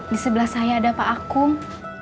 disebelah saya ada pak akung